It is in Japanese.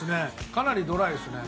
かなりドライですね。